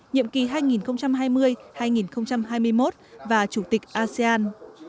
nhiệm kỳ hai nghìn hai mươi hai nghìn hai mươi một và chủ tịch asean